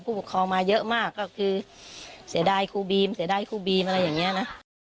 ปกครองมาเยอะมากก็คือเสียดายครูบีมเสียดายครูบีมอะไรอย่างนี้นะ